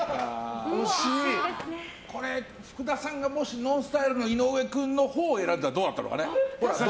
これ、福田さんがもしＮＯＮＳＴＹＬＥの井上君のほうを選んだらどうだったのかな？